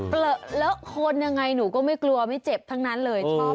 เลอะคนยังไงหนูก็ไม่กลัวไม่เจ็บทั้งนั้นเลยชอบ